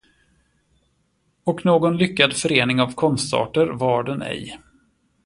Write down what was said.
Och någon lyckad förening av konstarter var den ej.